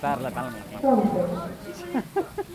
Kampeta.